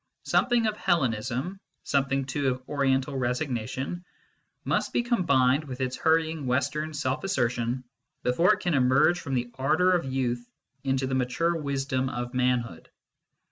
Something of. Hellenism, something, too, of Oriental resignation, must be combined with its hurrying Western self assertion before it can emerge from the ardour of youth into the mature wisdom of manhood.